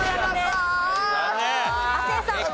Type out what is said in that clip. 亜生さん。